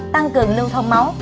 tăng cường lưu thông máu